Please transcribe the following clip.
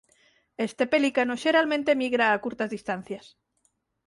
Este pelicano xeralmente migra a curtas distancias.